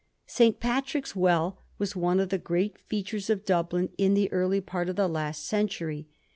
St. Patrick's Well was one of the great features of Dublin in the early part of the last century.